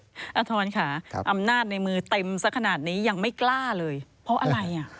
ธรรมาธรครับอำนาจในมือเต็มสักขนาดนี้ยังไม่กล้าเลยเพราะอะไร